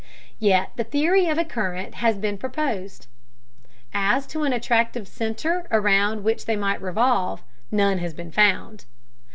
Yet the theory of a current has been proposed. As to an attractive center around which they might revolve, none has been found.